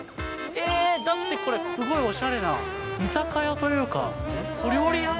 えー？だってこれ、すごいおしゃれな、居酒屋というか、小料理屋？